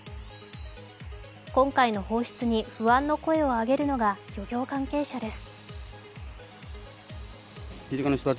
今回の放出に不安の声を上げるのが漁業関係者です。